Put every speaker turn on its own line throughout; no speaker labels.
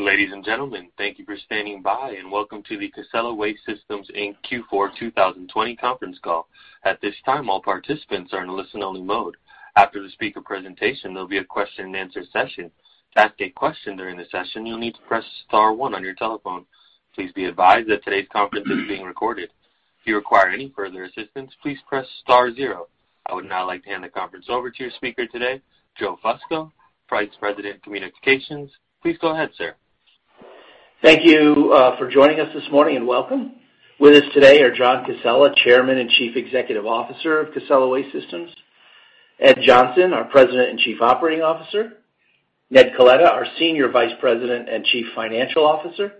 Ladies and gentlemen, thank you for standing by, and Welcome to the Casella Waste Systems, Inc. Q4 2020 Conference Call. I would now like to hand the conference over to your speaker today, Joseph Fusco, Vice President, Communications. Please go ahead, sir.
Thank you for joining us this morning and welcome. With us today are John Casella, Chairman and Chief Executive Officer of Casella Waste Systems, Edwin Johnson, our President, and Chief Operating Officer, Edmond Coletta, our Senior Vice President and Chief Financial Officer,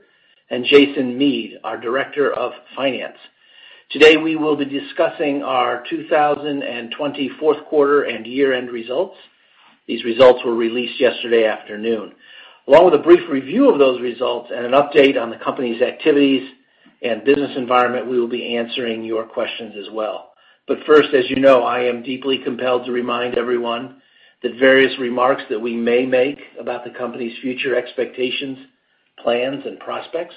and Jason Mead, our Director of Finance. Today, we will be discussing our 2020 fourth quarter and year-end results. These results were released yesterday afternoon. Along with a brief review of those results and an update on the company's activities and business environment, we will be answering your questions as well. First, as you know, I am deeply compelled to remind everyone that various remarks that we may make about the company's future expectations, plans, and prospects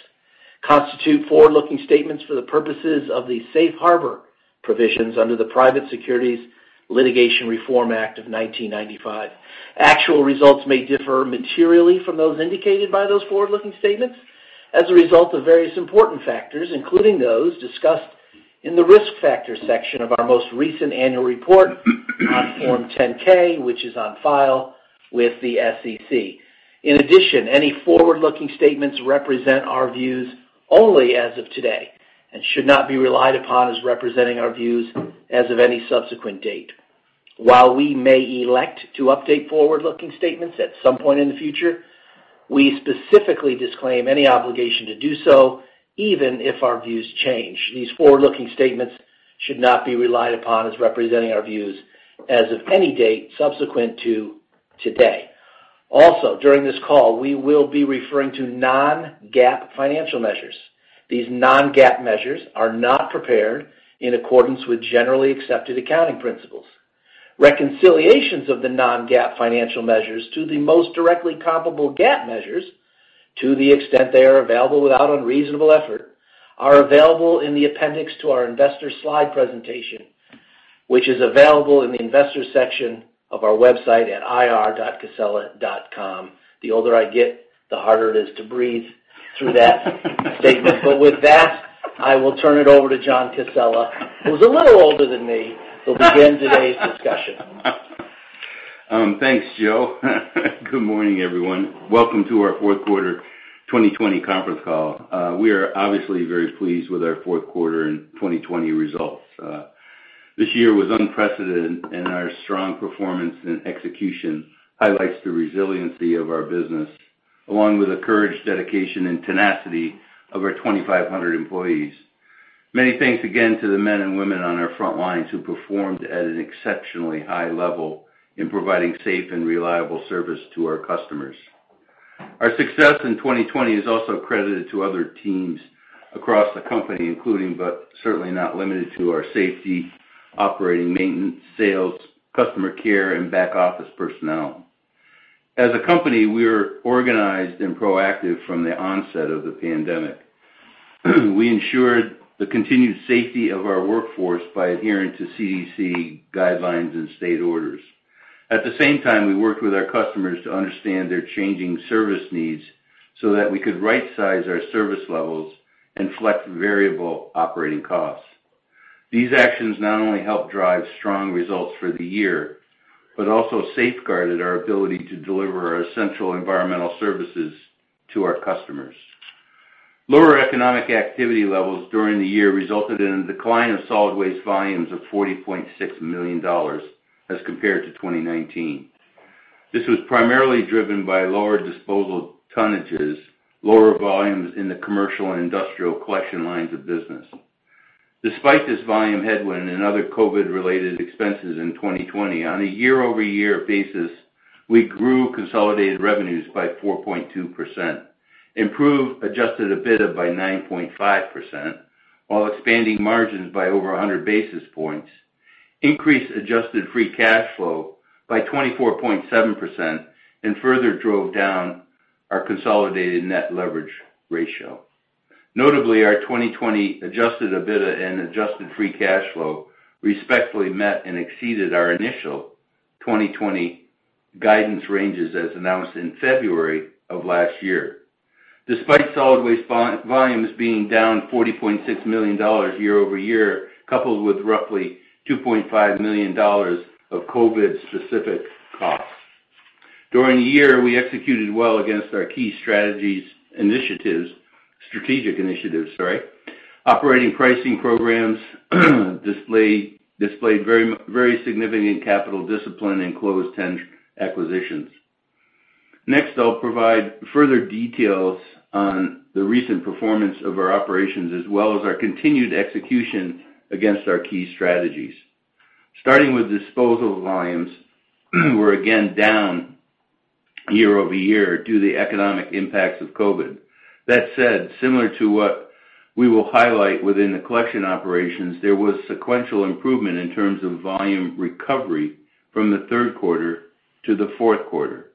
constitute forward-looking statements for the purposes of the safe harbor provisions under the Private Securities Litigation Reform Act of 1995. Actual results may differ materially from those indicated by those forward-looking statements as a result of various important factors, including those discussed in the Risk Factors section of our most recent annual report on Form 10-K, which is on file with the SEC. In addition, any forward-looking statements represent our views only as of today and should not be relied upon as representing our views as of any subsequent date. While we may elect to update forward-looking statements at some point in the future, we specifically disclaim any obligation to do so, even if our views change. These forward-looking statements should not be relied upon as representing our views as of any date subsequent to today. Also, during this call, we will be referring to non-GAAP financial measures. These non-GAAP measures are not prepared in accordance with Generally Accepted Accounting Principles. Reconciliations of the non-GAAP financial measures to the most directly comparable GAAP measures, to the extent they are available without unreasonable effort, are available in the appendix to our investor slide presentation, which is available in the Investors section of our website at ir.casella.com. The older I get, the harder it is to breathe through that statement. With that, I will turn it over to John Casella, who's a little older than me, to begin today's discussion.
Thanks, Joe. Good morning, everyone. Welcome to our fourth quarter 2020 conference call. We are obviously very pleased with our fourth quarter and 2020 results. This year was unprecedented, our strong performance and execution highlights the resiliency of our business, along with the courage, dedication, and tenacity of our 2,500 employees. Many thanks again to the men and women on our frontlines who performed at an exceptionally high level in providing safe and reliable service to our customers. Our success in 2020 is also accredited to other teams across the company, including, but certainly not limited to, our safety, operating maintenance, sales, customer care, and back office personnel. As a company, we were organized and proactive from the onset of the pandemic. We ensured the continued safety of our workforce by adhering to CDC guidelines and state orders. At the same time, we worked with our customers to understand their changing service needs so that we could right-size our service levels and flex variable operating costs. These actions not only helped drive strong results for the year, but also safeguarded our ability to deliver our essential environmental services to our customers. Lower economic activity levels during the year resulted in a decline of solid waste volumes of $40.6 million as compared to 2019. This was primarily driven by lower disposal tonnages, lower volumes in the commercial and industrial collection lines of business. Despite this volume headwind and other COVID-related expenses in 2020, on a year-over-year basis, we grew consolidated revenues by 4.2%, improved adjusted EBITDA by 9.5%, while expanding margins by over 100 basis points, increased adjusted free cash flow by 24.7%, and further drove down our consolidated net leverage ratio. Notably, our 2020 adjusted EBITDA and adjusted free cash flow respectively met and exceeded our initial 2020 guidance ranges as announced in February of last year. Despite solid waste volumes being down $40.6 million year-over-year, coupled with roughly $2.5 million of COVID-specific costs. During the year, we executed well against our key strategic initiatives, operating pricing programs, displayed very significant capital discipline, and closed 10 acquisitions. I'll provide further details on the recent performance of our operations, as well as our continued execution against our key strategies. Starting with disposal volumes, were again down year-over-year due to the economic impacts of COVID. That said, similar to we will highlight within the collection operations, there was sequential improvement in terms of volume recovery from the third quarter to the fourth quarter.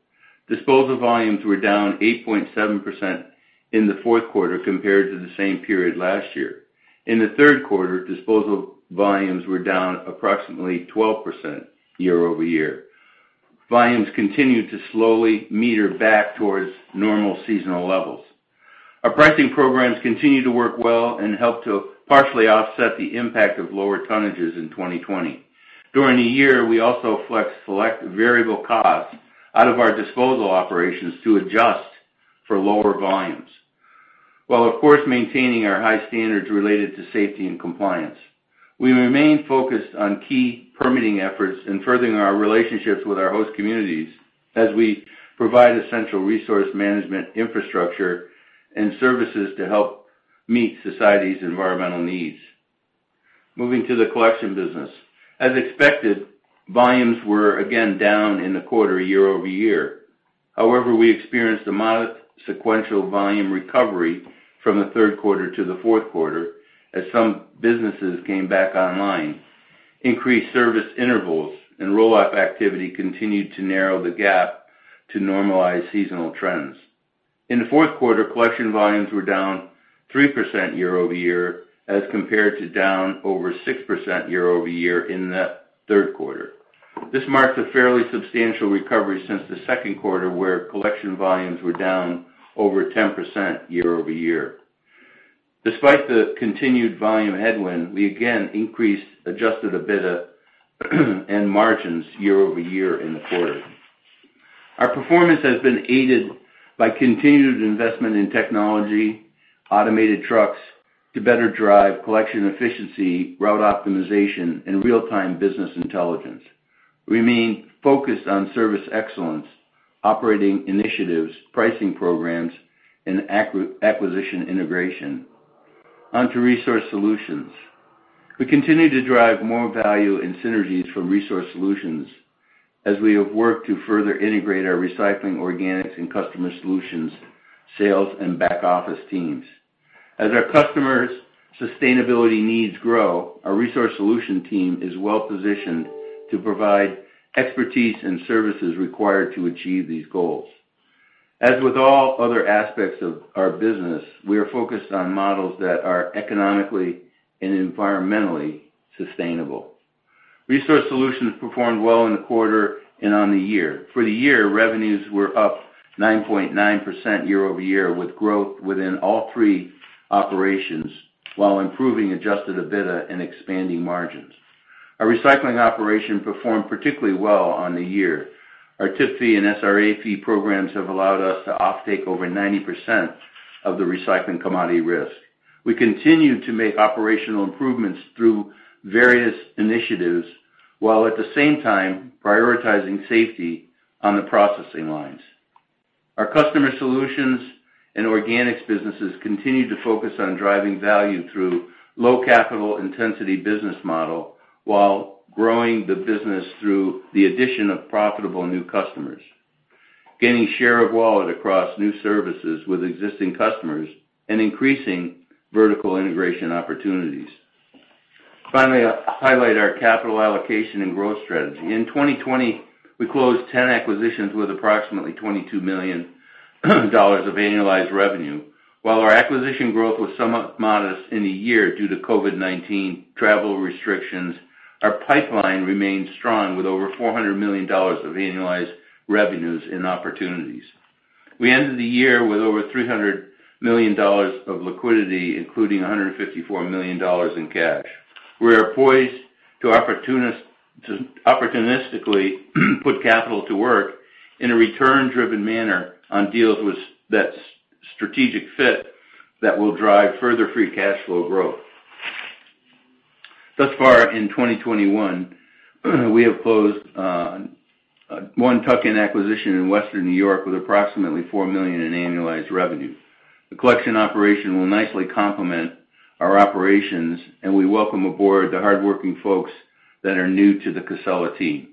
Disposal volumes were down 8.7% in the fourth quarter compared to the same period last year. In the third quarter, disposal volumes were down approximately 12% year-over-year. Volumes continued to slowly meter back towards normal seasonal levels. Our pricing programs continue to work well and help to partially offset the impact of lower tonnages in 2020. During the year, we also flexed select variable costs out of our disposal operations to adjust for lower volumes, while of course, maintaining our high standards related to safety and compliance. We remain focused on key permitting efforts and furthering our relationships with our host communities as we provide essential resource management infrastructure and services to help meet society's environmental needs. Moving to the collection business. As expected, volumes were again down in the quarter year-over-year. We experienced a modest sequential volume recovery from the third quarter to the fourth quarter as some businesses came back online. Increased service intervals and roll-off activity continued to narrow the gap to normalize seasonal trends. In the fourth quarter, collection volumes were down 3% year-over-year as compared to down over 6% year-over-year in the third quarter. This marked a fairly substantial recovery since the second quarter, where collection volumes were down over 10% year-over-year. Despite the continued volume headwind, we again increased adjusted EBITDA and margins year-over-year in the quarter. Our performance has been aided by continued investment in technology, automated trucks to better drive collection efficiency, route optimization, and real-time business intelligence. We remain focused on service excellence, operating initiatives, pricing programs, and acquisition integration. On to resource solutions. We continue to drive more value and synergies from resource solutions as we have worked to further integrate our recycling, organics, and customer solutions, sales and back office teams. As our customers sustainability needs grow, our resource solution team is well positioned to provide expertise and services required to achieve these goals. As with all other aspects of our business, we are focused on models that are economically and environmentally sustainable. Resource solutions performed well in the quarter and on the year. For the year, revenues were up 9.9% year-over-year, with growth within all three operations while improving adjusted EBITDA and expanding margins. Our recycling operation performed particularly well on the year. Our Tip Fee and SRA Fee programs have allowed us to offtake over 90% of the recycling commodity risk. We continue to make operational improvements through various initiatives, while at the same time prioritizing safety on the processing lines. Our customer solutions and organics businesses continue to focus on driving value through low capital intensity business model, while growing the business through the addition of profitable new customers, gaining share of wallet across new services with existing customers, and increasing vertical integration opportunities. Finally, I highlight our capital allocation and growth strategy. In 2020, we closed 10 acquisitions with approximately $22 million of annualized revenue. While our acquisition growth was somewhat modest in the year due to COVID-19 travel restrictions, our pipeline remained strong with over $400 million of annualized revenues in opportunities. We ended the year with over $300 million of liquidity, including $154 million in cash. We are poised to opportunistically put capital to work in a return-driven manner on deals that strategic fit that will drive further free cash flow growth. Thus far in 2021, we have closed one tuck-in acquisition in Western New York with approximately $4 million in annualized revenue. The collection operation will nicely complement our operations, and we welcome aboard the hardworking folks that are new to the Casella team.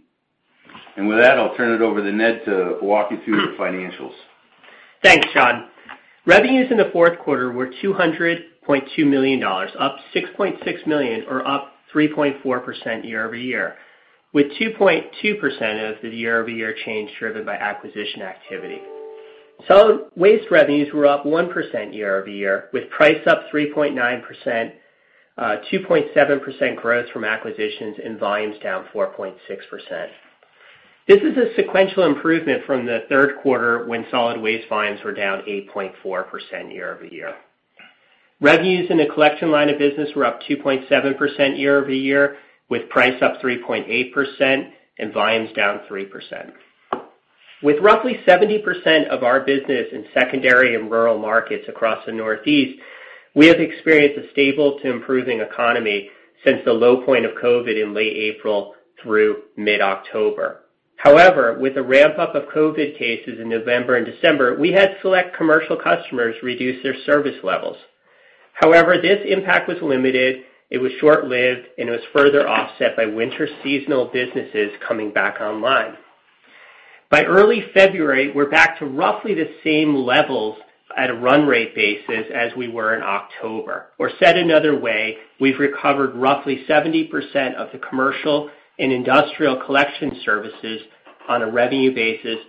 With that, I'll turn it over to Ned to walk you through the financials.
Thanks, John. Revenues in the fourth quarter were $200.2 million, up $6.6 million or up 3.4% year-over-year, with 2.2% of the year-over-year change driven by acquisition activity. Solid waste revenues were up 1% year-over-year, with price up 3.9%, 2.7% growth from acquisitions, and volumes down 4.6%. This is a sequential improvement from the third quarter, when solid waste volumes were down 8.4% year-over-year. Revenues in the collection line of business were up 2.7% year-over-year, with price up 3.8% and volumes down 3%. With roughly 70% of our business in secondary and rural markets across the Northeast, we have experienced a stable to improving economy since the low point of COVID in late April through mid-October. With the ramp-up of COVID cases in November and December, we had select commercial customers reduce their service levels. This impact was limited, it was short-lived, and it was further offset by winter seasonal businesses coming back online. By early February, we're back to roughly the same levels at a run rate basis as we were in October. Said another way, we've recovered roughly 70% of the commercial and industrial collection services on a revenue basis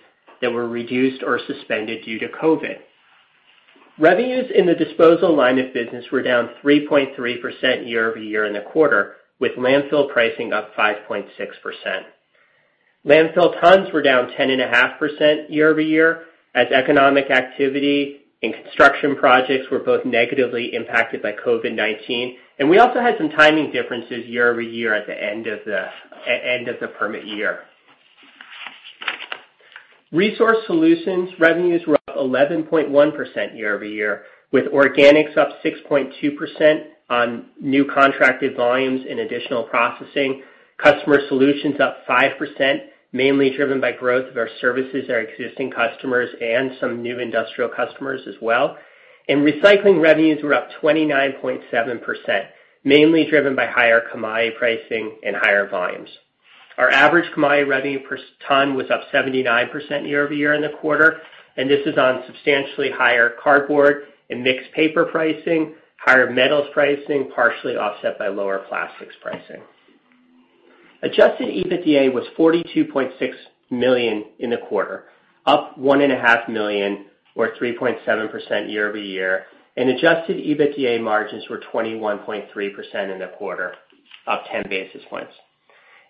that were reduced or suspended due to COVID. Revenues in the disposal line of business were down 3.3% year-over-year in the quarter, with landfill pricing up 5.6%. Landfill tons were down 10.5% year-over-year as economic activity and construction projects were both negatively impacted by COVID-19. We also had some timing differences year-over-year at the end of the permit year. Resource solutions revenues were up 11.1% year-over-year, with organics up 6.2% on new contracted volumes and additional processing. Customer solutions up 5%, mainly driven by growth of our services to our existing customers and some new industrial customers as well. Recycling revenues were up 29.7%, mainly driven by higher commodity pricing and higher volumes. Our average commodity revenue per ton was up 79% year-over-year in the quarter, and this is on substantially higher cardboard and mixed paper pricing, higher metals pricing, partially offset by lower plastics pricing. Adjusted EBITDA was $42.6 million in the quarter, up $1.5 million or 3.7% year-over-year, and adjusted EBITDA margins were 21.3% in the quarter, up 10 basis points.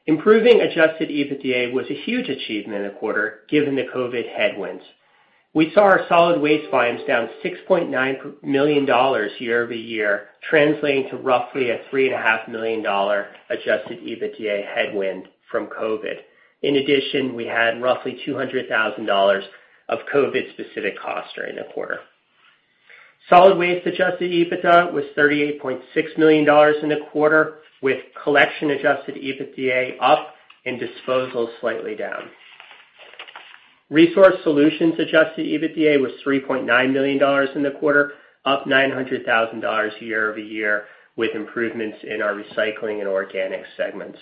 Improving adjusted EBITDA was a huge achievement in the quarter given the COVID headwinds. We saw our solid waste volumes down $6.9 million year-over-year, translating to roughly a $3.5 million adjusted EBITDA headwind from COVID. In addition, we had roughly $200,000 of COVID-specific costs during the quarter. Solid waste adjusted EBITDA was $38.6 million in the quarter, with collection adjusted EBITDA up and disposal slightly down. Resource solutions adjusted EBITDA was $3.9 million in the quarter, up $900,000 year-over-year with improvements in our recycling and organic segments.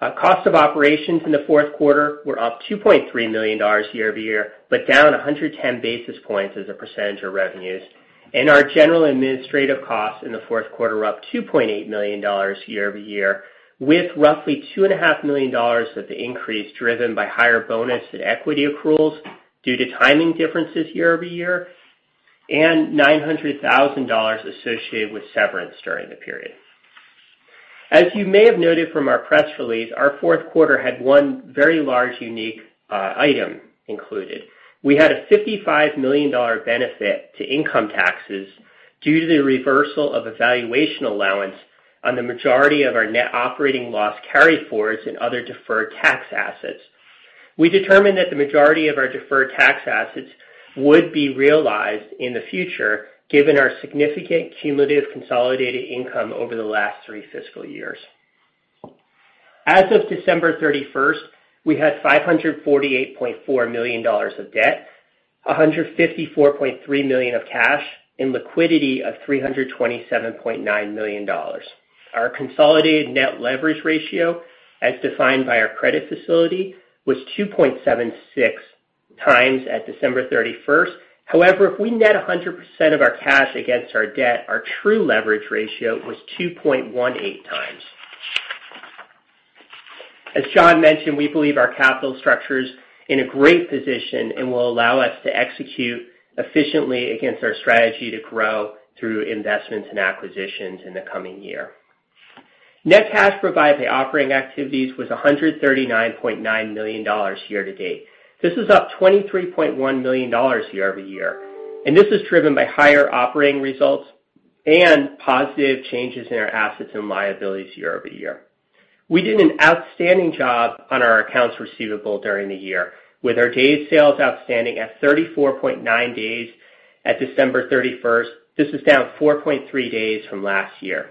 Our cost of operations in the fourth quarter were up $2.3 million year-over-year, but down 110 basis points as a percentage of revenues. Our general administrative costs in the fourth quarter were up $2.8 million year-over-year, with roughly $2.5 million of the increase driven by higher bonus and equity accruals due to timing differences year-over-year and $900,000 associated with severance during the period. As you may have noted from our press release, our fourth quarter had one very large, unique item included. We had a $55 million benefit to income taxes due to the reversal of a valuation allowance on the majority of our net operating loss carryforwards and other deferred tax assets. We determined that the majority of our deferred tax assets would be realized in the future given our significant cumulative consolidated income over the last three fiscal years. As of December 31st, we had $548.4 million of debt, $154.3 million of cash, and liquidity of $327.9 million. Our consolidated net leverage ratio, as defined by our credit facility, was 2.76 times at December 31st. If we net 100% of our cash against our debt, our true leverage ratio was 2.18 times. As John mentioned, we believe our capital structure is in a great position and will allow us to execute efficiently against our strategy to grow through investments and acquisitions in the coming year. Net cash provided by operating activities was $139.9 million year to date. This is up $23.1 million year-over-year, this is driven by higher operating results and positive changes in our assets and liabilities year-over-year. We did an outstanding job on our accounts receivable during the year, with our days sales outstanding at 34.9 days at December 31st. This is down 4.3 days from last year.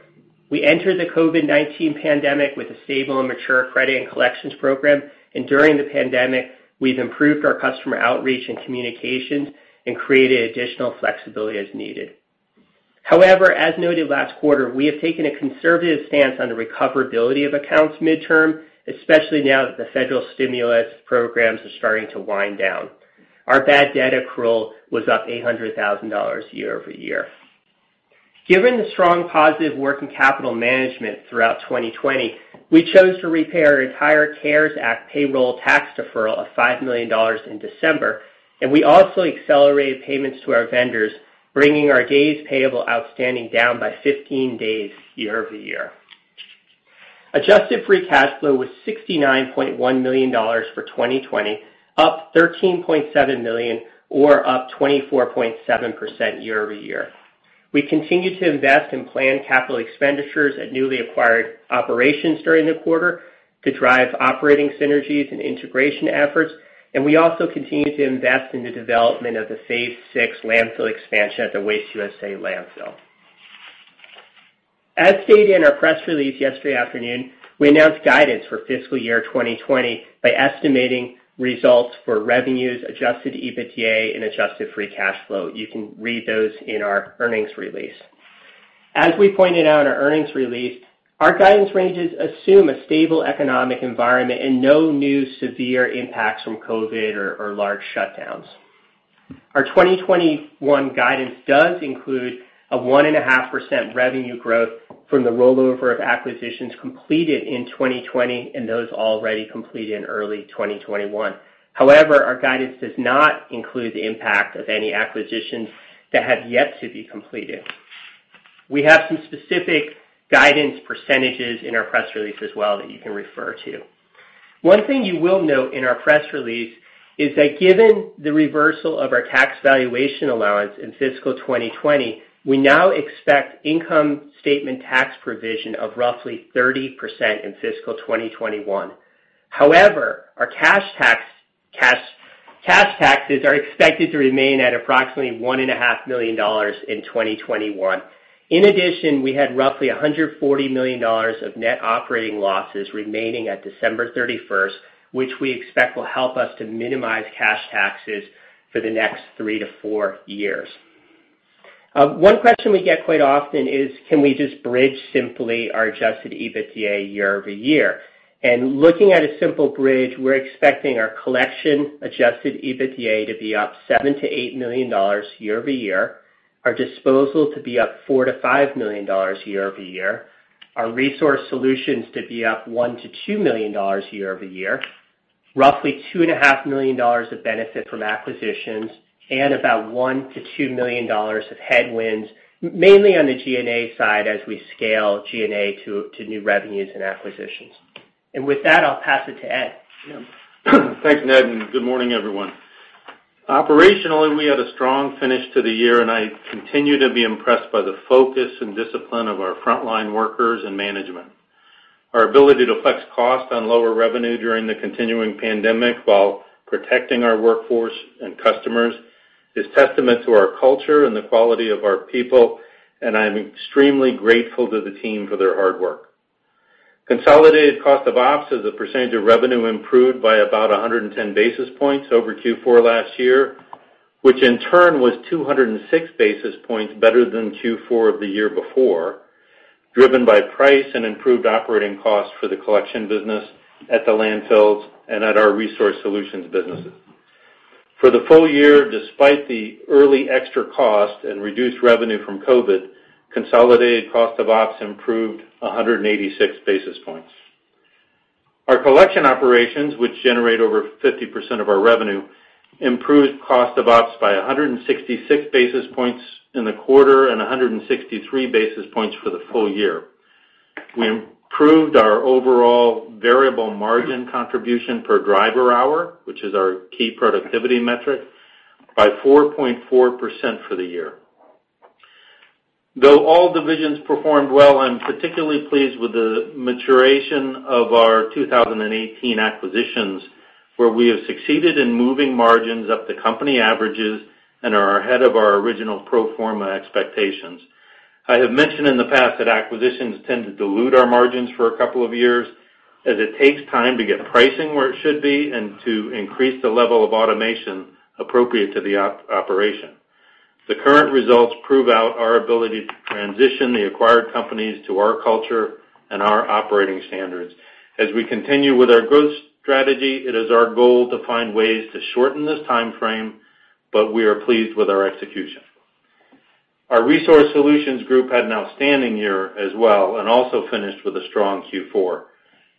We entered the COVID-19 pandemic with a stable and mature credit and collections program, during the pandemic, we've improved our customer outreach and communications and created additional flexibility as needed. However, as noted last quarter, we have taken a conservative stance on the recoverability of accounts midterm, especially now that the federal stimulus programs are starting to wind down. Our bad debt accrual was up $800,000 year-over-year. Given the strong positive working capital management throughout 2020, we chose to repay our entire CARES Act payroll tax deferral of $5 million in December, and we also accelerated payments to our vendors, bringing our days payable outstanding down by 15 days year-over-year. Adjusted free cash flow was $69.1 million for 2020, up $13.7 million or up 24.7% year-over-year. We continued to invest in planned capital expenditures at newly acquired operations during the quarter to drive operating synergies and integration efforts, and we also continued to invest in the development of the Stage VI landfill expansion at the Waste USA landfill. As stated in our press release yesterday afternoon, we announced guidance for fiscal year 2020 by estimating results for revenues, adjusted EBITDA, and adjusted free cash flow. You can read those in our earnings release. As we pointed out in our earnings release, our guidance ranges assume a stable economic environment and no new severe impacts from COVID or large shutdowns. Our 2021 guidance does include a 1.5% revenue growth from the rollover of acquisitions completed in 2020 and those already completed in early 2021. However, our guidance does not include the impact of any acquisitions that have yet to be completed. We have some specific guidance percentages in our press release as well that you can refer to. One thing you will note in our press release is that given the reversal of our tax valuation allowance in fiscal 2020, we now expect income statement tax provision of roughly 30% in fiscal 2021. However, our cash taxes are expected to remain at approximately $1.5 million in 2021. In addition, we had roughly $140 million of net operating losses remaining at December 31st, which we expect will help us to minimize cash taxes for the next three to four years. One question we get quite often is, can we just bridge simply our adjusted EBITDA year-over-year? Looking at a simple bridge, we're expecting our collection adjusted EBITDA to be up $7 million-$8 million year-over-year, our disposal to be up $4 million-$5 million year-over-year, our resource solutions to be up $1 million-$2 million year-over-year, roughly $2.5 million of benefit from acquisitions, and about $1 million-$2 million of headwinds, mainly on the G&A side as we scale G&A to new revenues and acquisitions. With that, I'll pass it to Ed.
Thanks, Ned, and good morning, everyone. Operationally, we had a strong finish to the year, and I continue to be impressed by the focus and discipline of our frontline workers and management. Our ability to flex costs on lower revenue during the continuing pandemic while protecting our workforce and customers is testament to our culture and the quality of our people, and I'm extremely grateful to the team for their hard work. Consolidated cost of ops as a percentage of revenue improved by about 110 basis points over Q4 last year, which in turn was 206 basis points better than Q4 of the year before, driven by price and improved operating costs for the collection business at the landfills and at our resource solutions businesses. For the full year, despite the early extra cost and reduced revenue from COVID, consolidated cost of ops improved 186 basis points. Our collection operations, which generate over 50% of our revenue, improved cost of ops by 166 basis points in the quarter and 163 basis points for the full year. We improved our overall variable margin contribution per driver hour, which is our key productivity metric, by 4.4% for the year. Though all divisions performed well, I'm particularly pleased with the maturation of our 2018 acquisitions, where we have succeeded in moving margins up to company averages and are ahead of our original pro forma expectations. I have mentioned in the past that acquisitions tend to dilute our margins for a couple of years, as it takes time to get pricing where it should be and to increase the level of automation appropriate to the operation. The current results prove out our ability to transition the acquired companies to our culture and our operating standards. As we continue with our growth strategy, it is our goal to find ways to shorten this timeframe, but we are pleased with our execution. Our resource solutions group had an outstanding year as well and also finished with a strong Q4.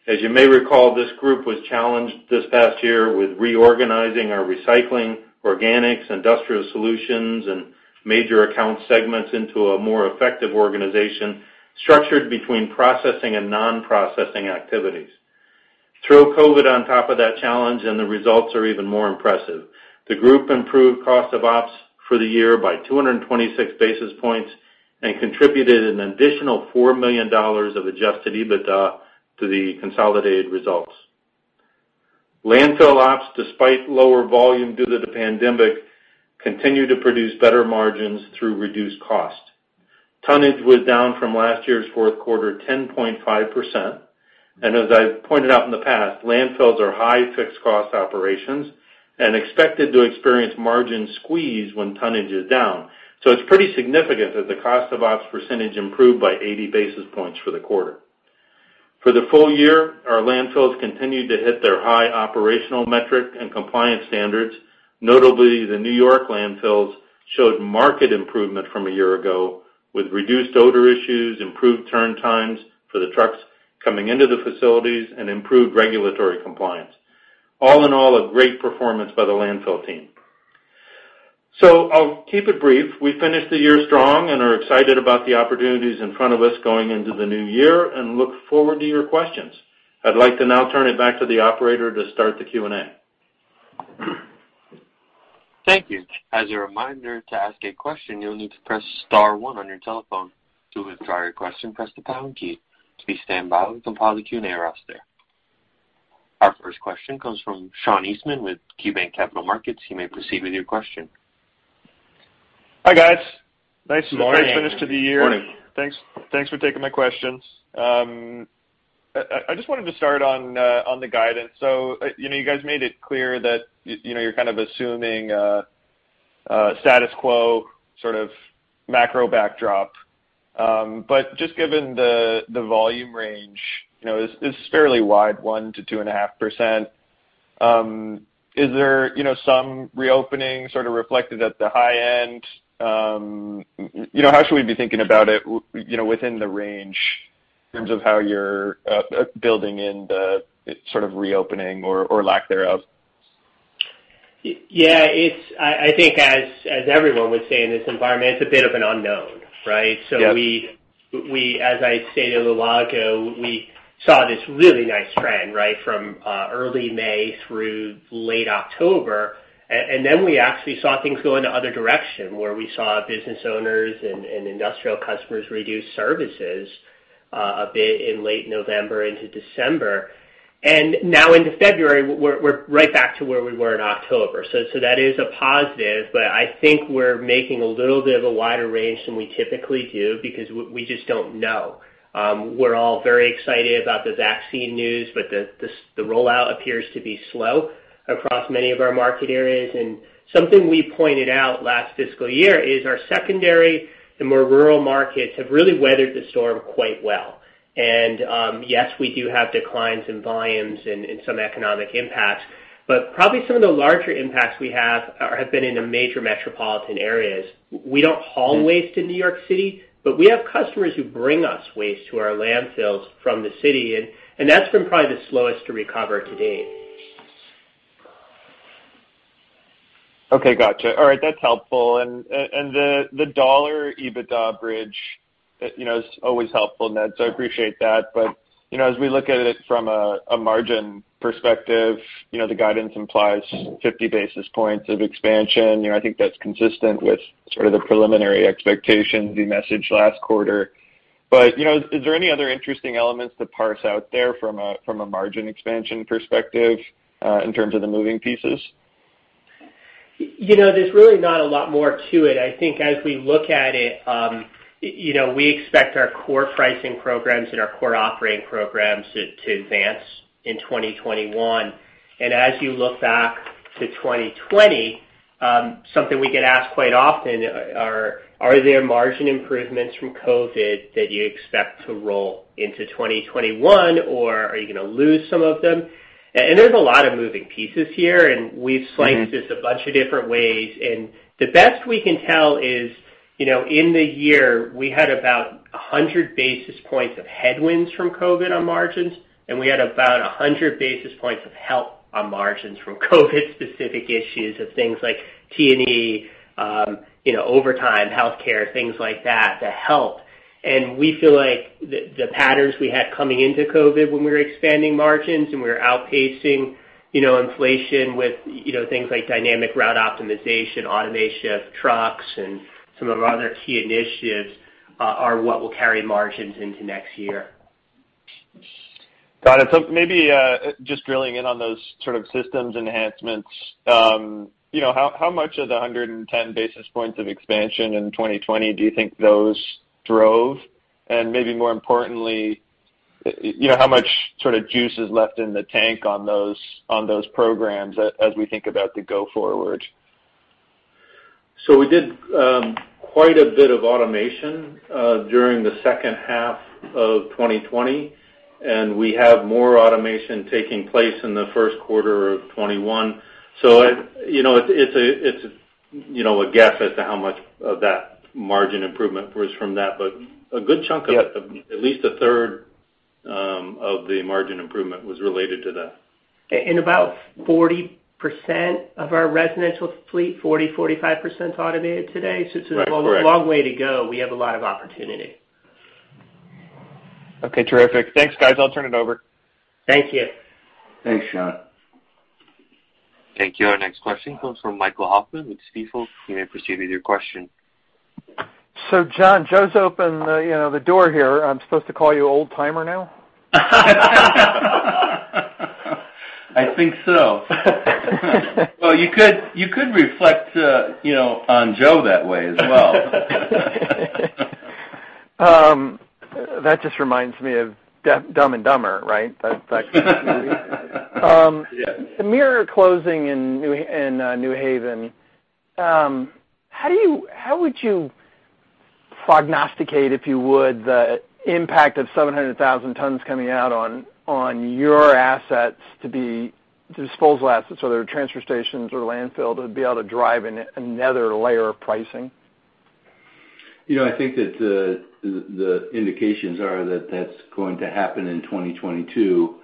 As you may recall, this group was challenged this past year with reorganizing our recycling, organics, industrial solutions, and major account segments into a more effective organization structured between processing and non-processing activities. Throw COVID on top of that challenge, and the results are even more impressive. The group improved cost of ops for the year by 226 basis points and contributed an additional $4 million of adjusted EBITDA to the consolidated results. Landfill ops, despite lower volume due to the pandemic, continue to produce better margins through reduced cost. As I've pointed out in the past, landfills are high fixed cost operations and expected to experience margin squeeze when tonnage is down. It's pretty significant that the cost of ops percentage improved by 80 basis points for the quarter. For the full year, our landfills continued to hit their high operational metric and compliance standards. Notably, the New York landfills showed marked improvement from a year ago, with reduced odor issues, improved turn times for the trucks coming into the facilities, and improved regulatory compliance. All in all, a great performance by the landfill team. I'll keep it brief. We finished the year strong and are excited about the opportunities in front of us going into the new year and look forward to your questions. I'd like to now turn it back to the operator to start the Q&A.
Thank you. As a reminder, to ask a question, you'll need to press star one on your telephone. To withdraw your question, press the # key. Please stand by while we compile the Q&A roster. Our first question comes from Sean Eastman with KeyBanc Capital Markets. You may proceed with your question.
Hi, guys.
Good morning.
Nice finish to the year.
Morning.
Thanks for taking my questions. I just wanted to start on the guidance. You guys made it clear that you're kind of assuming a status quo sort of macro backdrop. Just given the volume range, it's fairly wide, 1% to 2.5%. Is there some reopening sort of reflected at the high end? How should we be thinking about it within the range in terms of how you're building in the sort of reopening or lack thereof?
Yeah. I think as everyone would say in this environment, it's a bit of an unknown, right?
Yeah.
As I stated a little while ago, we saw this really nice trend from early May through late October, then we actually saw things go in the other direction, where we saw business owners and industrial customers reduce services a bit in late November into December. Now into February, we're right back to where we were in October. That is a positive, but I think we're making a little bit of a wider range than we typically do because we just don't know. We're all very excited about the vaccine news, but the rollout appears to be slow across many of our market areas. Something we pointed out last fiscal year is our secondary, the more rural markets, have really weathered the storm quite well. Yes, we do have declines in volumes and in some economic impacts, but probably some of the larger impacts we have have been in the major metropolitan areas. We don't haul waste in New York City, but we have customers who bring us waste to our landfills from the city, and that's been probably the slowest to recover to date.
Okay, gotcha. All right, that's helpful. The dollar EBITDA bridge is always helpful, Ned, so I appreciate that. As we look at it from a margin perspective, the guidance implies 50 basis points of expansion. I think that's consistent with sort of the preliminary expectations you messaged last quarter. Is there any other interesting elements to parse out there from a margin expansion perspective in terms of the moving pieces?
There's really not a lot more to it. I think as we look at it, we expect our core pricing programs and our core operating programs to advance in 2021. As you look back to 2020, something we get asked quite often are their margin improvements from COVID that you expect to roll into 2021, or are you going to lose some of them? There's a lot of moving pieces here, and we've sliced this a bunch of different ways. The best we can tell is, in the year, we had about 100 basis points of headwinds from COVID on margins, and we had about 100 basis points of help on margins from COVID-specific issues of things like T&E, overtime, healthcare, things like that helped. We feel like the patterns we had coming into COVID when we were expanding margins and we were outpacing inflation with things like dynamic route optimization, automation of trucks, and some of our other key initiatives, are what will carry margins into next year.
Got it. Maybe just drilling in on those sort of systems enhancements. How much of the 110 basis points of expansion in 2020 do you think those drove? Maybe more importantly, how much sort of juice is left in the tank on those programs as we think about the go forward?
We did quite a bit of automation during the second half of 2020, and we have more automation taking place in the first quarter of 2021. It's a guess as to how much of that margin improvement was from that.
Yeah.
At least a third of the margin improvement was related to that.
About 40% of our residential fleet, 40%, 45%, is automated today.
Right. Correct.
It's a long way to go. We have a lot of opportunity.
Okay, terrific. Thanks, guys. I'll turn it over.
Thank you.
Thanks, Sean.
Thank you. Our next question comes from Michael Hoffman with Stifel. You may proceed with your question.
John, Joe's opened the door here. I'm supposed to call you old timer now?
I think so. Well, you could reflect on Joe that way as well.
That just reminds me of Dumb and Dumber, right? That movie.
Yes.
The MIRA closing in New Haven, how would you prognosticate, if you would, the impact of 700,000 tons coming out on your assets to be disposal assets, so their transfer stations or landfill, to be able to drive another layer of pricing?
I think that the indications are that that's going to happen in 2022.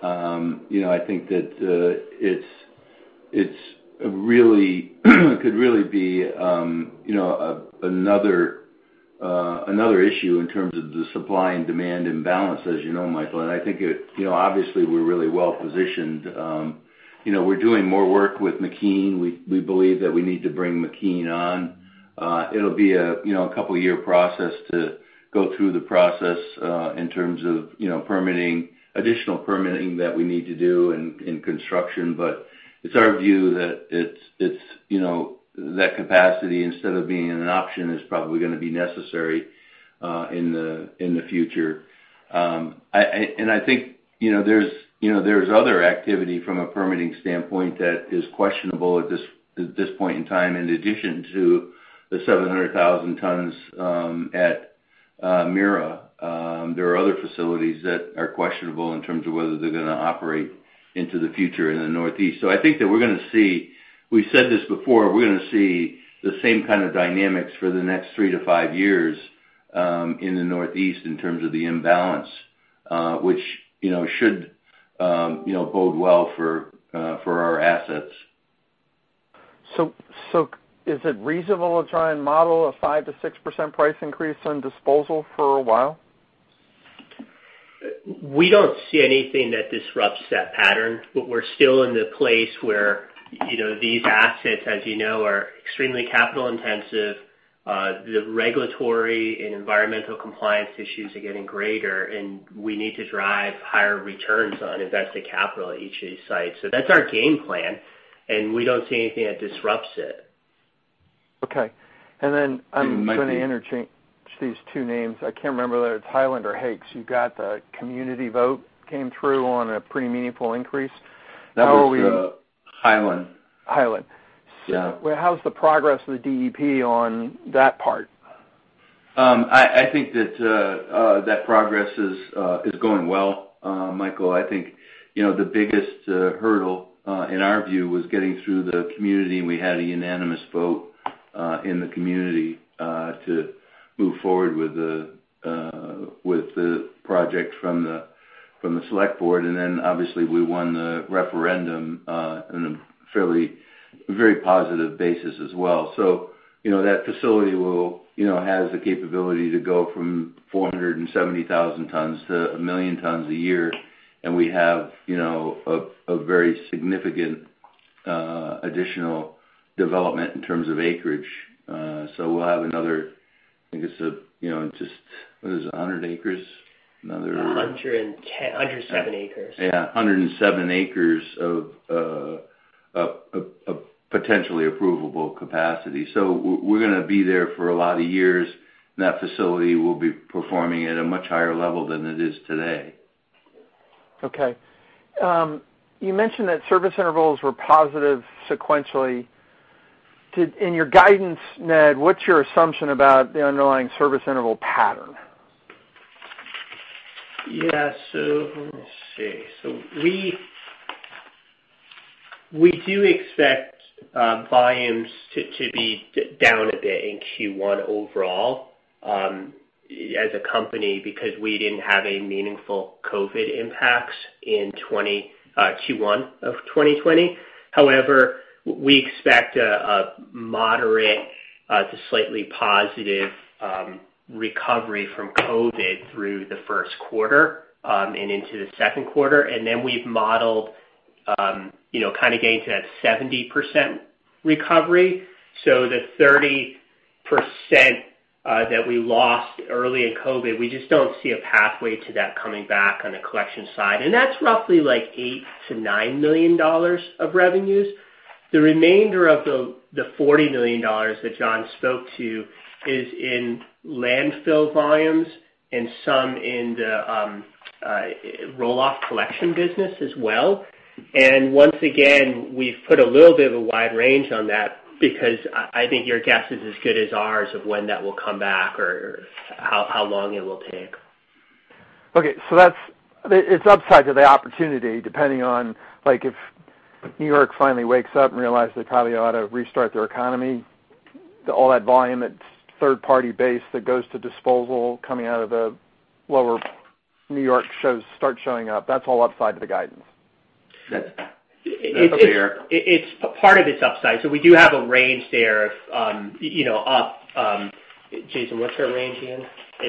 I think that it could really be another issue in terms of the supply and demand imbalance, as you know, Michael. I think, obviously, we're really well-positioned. We're doing more work with McKean. We believe that we need to bring McKean on. It'll be a couple year process to go through the process in terms of additional permitting that we need to do in construction. It's our view that capacity, instead of being an option, is probably going to be necessary in the future. I think there's other activity from a permitting standpoint that is questionable at this point in time, in addition to the 700,000 tons at MIRA. There are other facilities that are questionable in terms of whether they're going to operate into the future in the Northeast. I think that we're going to see, we said this before, we're going to see the same kind of dynamics for the next three to five years in the Northeast in terms of the imbalance, which should bode well for our assets.
Is it reasonable to try and model a 5%-6% price increase on disposal for a while?
We don't see anything that disrupts that pattern, but we're still in the place where these assets, as you know, are extremely capital intensive. The regulatory and environmental compliance issues are getting greater, and we need to drive higher returns on invested capital at each of these sites. That's our game plan, and we don't see anything that disrupts it.
Okay. I'm going to interchange these two names. I can't remember whether it's Hyland or Hakes. You got the community vote came through on a pretty meaningful increase. How are we…
That was Hyland.
Hyland.
Yeah.
Well, how's the progress of the DEP on that part?
I think that progress is going well, Michael. I think the biggest hurdle, in our view, was getting through the community. We had a unanimous vote in the community to move forward with the project from the select board. Then obviously we won the referendum in a very positive basis as well. That facility has the capability to go from 470,000 tons to 1 million tons a year. We have a very significant additional development in terms of acreage. We'll have another, I think it's, what is it, 100 acres?
107 acres.
Yeah, 107 acres of potentially approvable capacity. We're going to be there for a lot of years, and that facility will be performing at a much higher level than it is today.
Okay. You mentioned that service intervals were positive sequentially. In your guidance, Ned, what's your assumption about the underlying service interval pattern?
Yeah. Let me see. We do expect volumes to be down a bit in Q1 overall as a company because we didn't have a meaningful COVID impact in Q1 of 2020. However, we expect a moderate to slightly positive recovery from COVID through the first quarter and into the second quarter. We've modeled kind of getting to that 70% recovery. The 30% that we lost early in COVID, we just don't see a pathway to that coming back on the collection side. That's roughly like $8 million-$9 million of revenues. The remainder of the $40 million that John spoke to is in landfill volumes and some in the roll-off collection business as well. Once again, we've put a little bit of a wide range on that because I think your guess is as good as ours of when that will come back or how long it will take.
Okay. It's upside to the opportunity depending on if New York finally wakes up and realize they probably ought to restart their economy, all that volume that's third party based that goes to disposal coming out of the lower New York start showing up. That's all upside to the guidance.
That's fair.
Part of it's upside. We do have a range there of up Jason, what's our range again?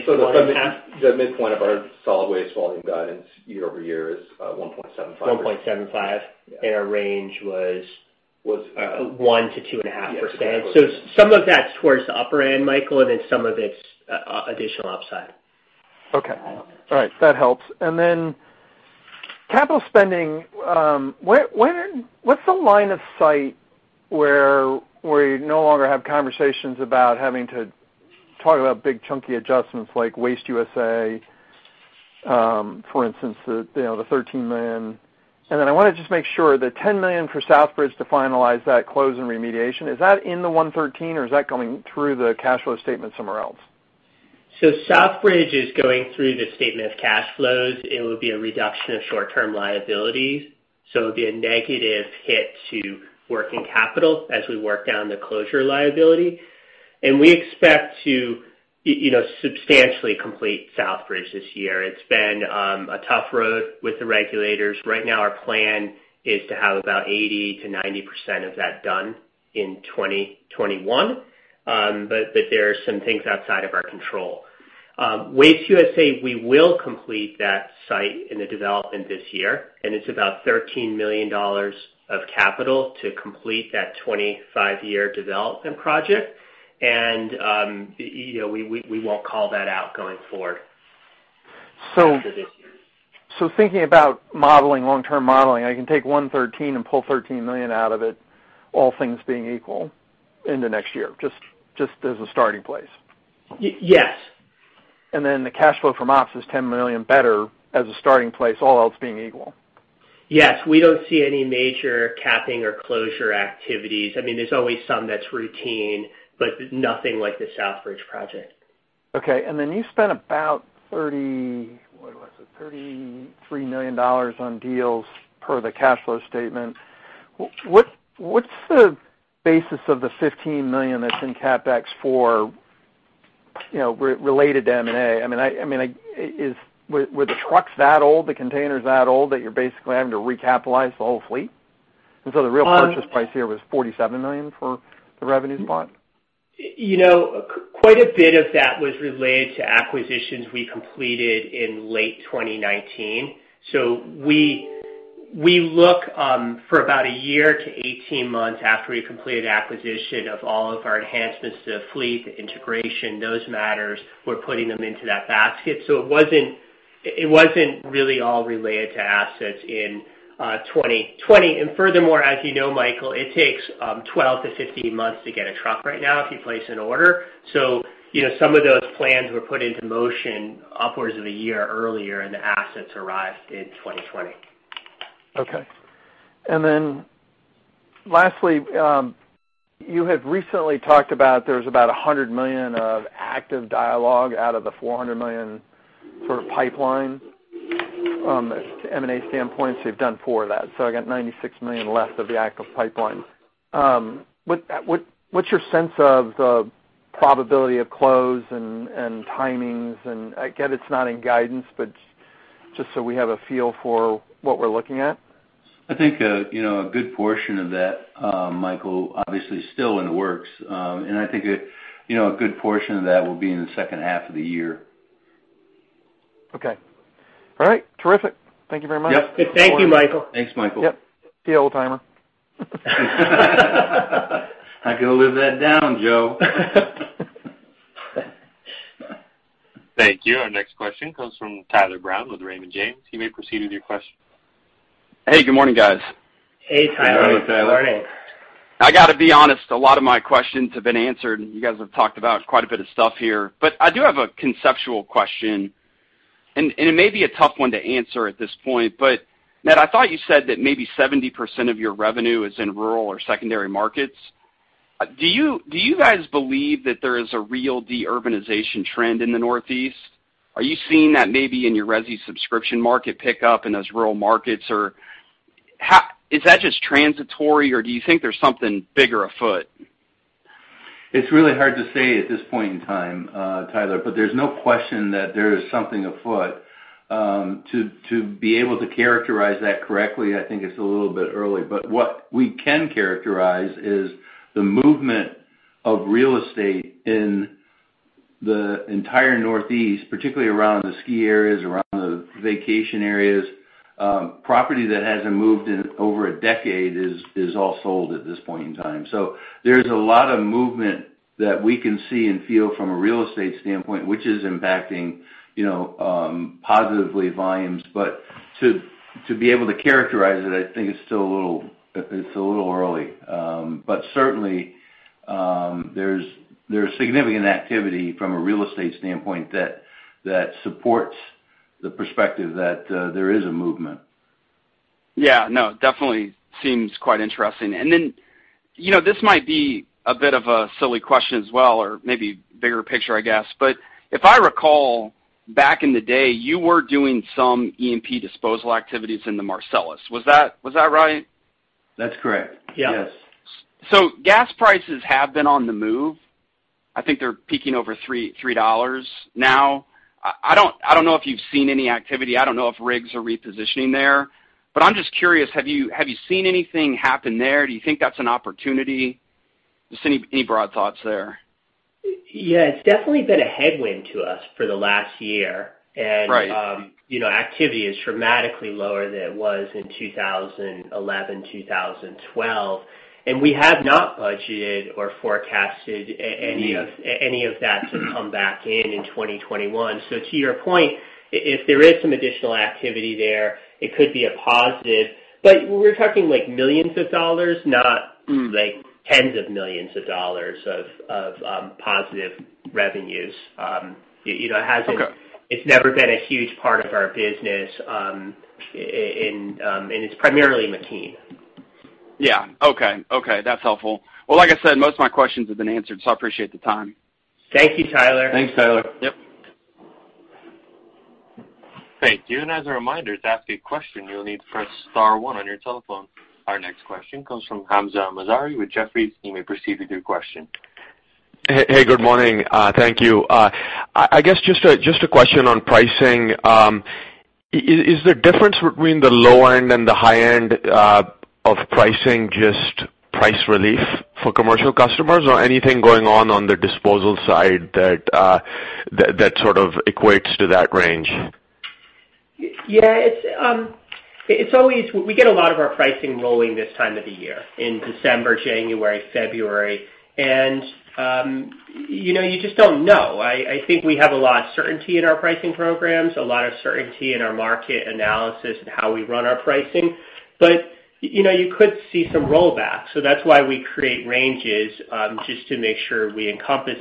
1.5? The midpoint of our solid waste volume guidance year-over-year is 1.75. 1.75. Yeah. Our range was 1% to 2.5%. Yes, exactly. Some of that's towards the upper end, Michael, and then some of it's additional upside.
Okay. All right. That helps. Capital spending, what's the line of sight where we no longer have conversations about having to talk about big chunky adjustments like Waste USA, for instance, the $13 million? I want to just make sure, the $10 million for Southbridge to finalize that close and remediation, is that in the $113 million, or is that going through the cash flow statement somewhere else?
Southbridge is going through the statement of cash flows. It will be a reduction of short-term liabilities, so it'll be a negative hit to working capital as we work down the closure liability. We expect to substantially complete Southbridge this year. It's been a tough road with the regulators. Right now our plan is to have about 80%-90% of that done in 2021. There are some things outside of our control Waste USA, we will complete that site in the development this year, and it's about $13 million of capital to complete that 25-year development project. We won't call that out going forward after this year.
Thinking about modeling, long-term modeling, I can take $113 million and pull $13 million out of it, all things being equal in the next year, just as a starting place.
Yes.
The cash flow from ops is $10 million better as a starting place, all else being equal.
Yes. We don't see any major capping or closure activities. There's always some that's routine, but nothing like the Southbridge Landfill project.
Okay. Then you spent about, what was it? $33 million on deals per the cash flow statement. What's the basis of the $15 million that's in CapEx related to M&A? Were the trucks that old, the containers that old, that you're basically having to recapitalize the whole fleet? So the real purchase price here was $47 million for the revenues bought?
Quite a bit of that was related to acquisitions we completed in late 2019. We look for about a year to 18 months after we complete an acquisition of all of our enhancements to the fleet, the integration, those matters, we're putting them into that basket. It wasn't really all related to assets in 2020. Furthermore, as you know, Michael, it takes 12 to 15 months to get a truck right now if you place an order. Some of those plans were put into motion upwards of a year earlier, and the assets arrived in 2020.
Okay. Lastly, you had recently talked about there's about $100 million of active dialogue out of the $400 million sort of pipeline. From an M&A standpoint, you've done four of that. I got $96 million left of the active pipeline. What's your sense of the probability of close and timings, and I get it's not in guidance, but just so we have a feel for what we're looking at?
I think a good portion of that, Michael, obviously, is still in the works. I think a good portion of that will be in the second half of the year.
Okay. All right. Terrific. Thank you very much.
Yep. Thank you, Michael.
Thanks, Michael.
Yep. See you, old-timer.
Not going to live that down, Joe.
Thank you. Our next question comes from Tyler Brown with Raymond James. You may proceed with your question.
Hey, good morning, guys.
Hey, Tyler.
Good morning, Tyler.
I got to be honest, a lot of my questions have been answered. You guys have talked about quite a bit of stuff here. I do have a conceptual question, and it may be a tough one to answer at this point. Ned, I thought you said that maybe 70% of your revenue is in rural or secondary markets. Do you guys believe that there is a real de-urbanization trend in the Northeast? Are you seeing that maybe in your resi subscription market pick up in those rural markets, or is that just transitory, or do you think there's something bigger afoot?
It's really hard to say at this point in time, Tyler, but there's no question that there is something afoot. To be able to characterize that correctly, I think it's a little bit early. What we can characterize is the movement of real estate in the entire Northeast, particularly around the ski areas, around the vacation areas. Property that hasn't moved in over a decade is all sold at this point in time. There's a lot of movement that we can see and feel from a real estate standpoint, which is impacting positively volumes. To be able to characterize it, I think it's a little early. Certainly, there's significant activity from a real estate standpoint that supports the perspective that there is a movement.
Yeah. No, definitely seems quite interesting. This might be a bit of a silly question as well, or maybe bigger picture, I guess. If I recall, back in the day, you were doing some E&P disposal activities in the Marcellus. Was that right?
That's correct.
Yes.
Yes.
Gas prices have been on the move. I think they're peaking over $3 now. I don't know if you've seen any activity. I don't know if rigs are repositioning there, but I'm just curious, have you seen anything happen there? Do you think that's an opportunity? Just any broad thoughts there?
Yeah, it's definitely been a headwind to us for the last year.
Right.
Activity is dramatically lower than it was in 2011, 2012, and we have not budgeted or forecasted any of that to come back in in 2021. To your point, if there is some additional activity there, it could be a positive, but we're talking millions of dollars, not tens of millions of dollars of positive revenues.
Okay.
It's never been a huge part of our business, and it's primarily McKean.
Yeah. Okay. That's helpful. Well, like I said, most of my questions have been answered, so I appreciate the time.
Thank you, Tyler.
Thanks, Tyler.
Yep.
Thank you. As a reminder, to ask a question, you'll need to press star one on your telephone. Our next question comes from Hamzah Mazari with Jefferies. You may proceed with your question.
Hey, good morning. Thank you. I guess just a question on pricing. Is the difference between the low end and the high end of pricing just price relief for commercial customers or anything going on on the disposal side that equates to that range?
Yeah. We get a lot of our pricing rolling this time of the year, in December, January, February. You just don't know. I think we have a lot of certainty in our pricing programs, a lot of certainty in our market analysis and how we run our pricing. You could see some rollback, so that's why we create ranges, just to make sure we encompass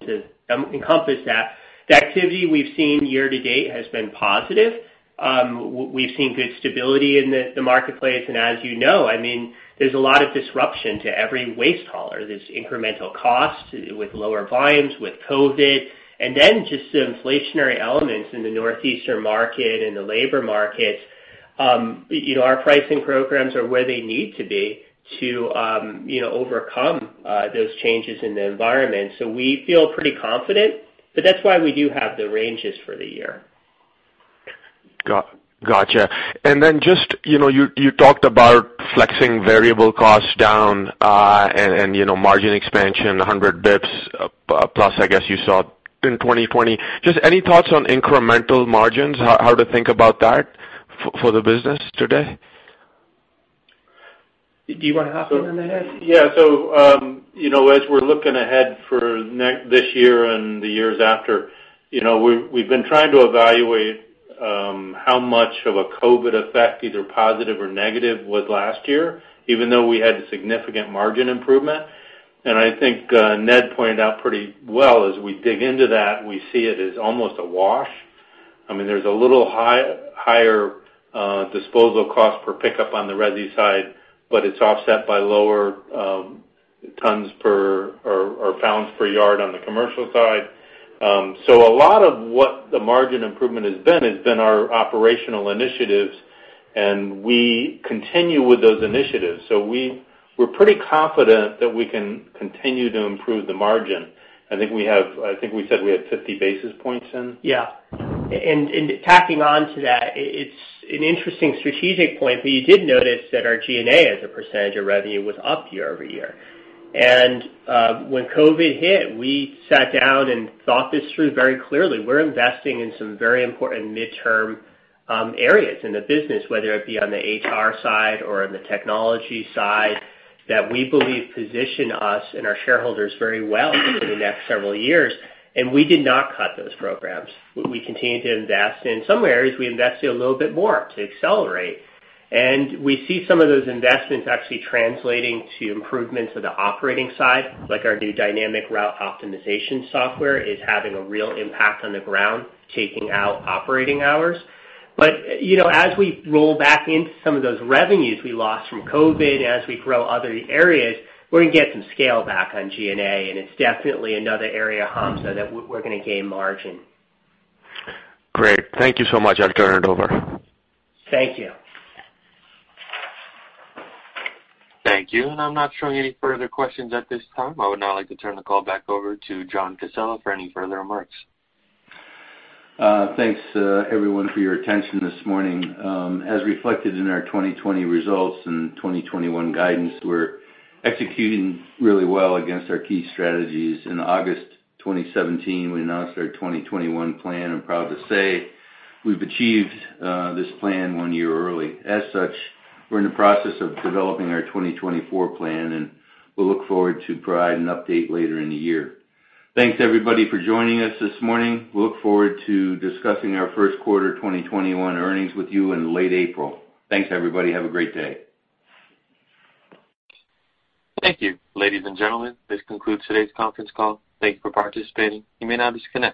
that. The activity we've seen year to date has been positive. We've seen good stability in the marketplace, and as you know, there's a lot of disruption to every waste hauler. There's incremental cost with lower volumes, with COVID, and then just the inflationary elements in the northeastern market and the labor market. Our pricing programs are where they need to be to overcome those changes in the environment. We feel pretty confident, but that's why we do have the ranges for the year.
Got you. Then just, you talked about flexing variable costs down, and margin expansion 100 basis points plus, I guess you saw in 2020. Just any thoughts on incremental margins, how to think about that for the business today?
Do you want to hop in on that, Ed?
Yeah. As we're looking ahead for this year and the years after, we've been trying to evaluate how much of a COVID effect, either positive or negative, was last year, even though we had significant margin improvement. I think Ned pointed out pretty well as we dig into that, we see it as almost a wash. There's a little higher disposal cost per pickup on the resi side, but it's offset by lower tons per, or pounds per yard on the commercial side. A lot of what the margin improvement has been has been our operational initiatives, and we continue with those initiatives. We're pretty confident that we can continue to improve the margin. I think we said we had 50 basis points in.
Yeah. Tacking on to that, it's an interesting strategic point, but you did notice that our G&A as a percentage of revenue was up year-over-year. When COVID hit, we sat down and thought this through very clearly. We're investing in some very important midterm areas in the business, whether it be on the HR side or on the technology side, that we believe position us and our shareholders very well into the next several years. We did not cut those programs. We continued to invest. In some areas, we invested a little bit more to accelerate. We see some of those investments actually translating to improvements to the operating side, like our new dynamic route optimization software is having a real impact on the ground, taking out operating hours. As we roll back into some of those revenues we lost from COVID, as we grow other areas, we're going to get some scale back on G&A, and it's definitely another area, Hamzah, that we're going to gain margin.
Great. Thank you so much. I'll turn it over.
Thank you.
Thank you. I'm not showing any further questions at this time. I would now like to turn the call back over to John Casella for any further remarks.
Thanks, everyone, for your attention this morning. As reflected in our 2020 results and 2021 guidance, we're executing really well against our key strategies. In August 2017, we announced our 2021 plan. I'm proud to say we've achieved this plan one year early. As such, we're in the process of developing our 2024 plan, and we'll look forward to provide an update later in the year. Thanks everybody for joining us this morning. We look forward to discussing our first quarter 2021 earnings with you in late April. Thanks, everybody. Have a great day.
Thank you. Ladies and gentlemen, this concludes today's conference call. Thank you for participating. You may now disconnect.